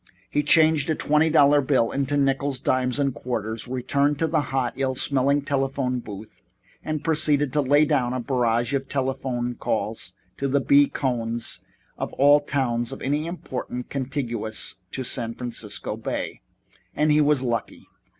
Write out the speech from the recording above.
He changed a twenty dollar bill into nickles, dimes and quarters, returned to the hot, ill smelling telephone booth and proceeded to lay down a barrage of telephone calls to the B. Cohns of all towns of any importance contiguous to San Francisco Bay. And he was lucky.